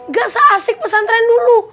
gak se asik pesantren dulu